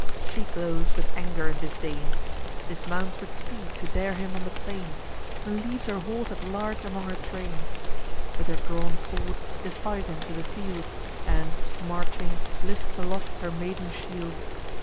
She glows with anger and disdain, Dismounts with speed to dare him on the plain, And leaves her horse at large among her train; With her drawn sword defies him to the field, And, marching, lifts aloft her maiden shield.